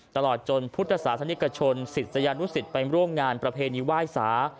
ตลอดจนพุทธศาสนิกชนศิษยานุสิตไปร่วมงานประเพณีไหว้สา